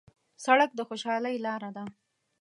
سړک د خوشحالۍ لاره ده.